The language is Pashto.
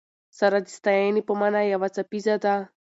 سره د ستاینې په مانا یو څپیزه ده.